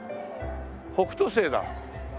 北斗星だ。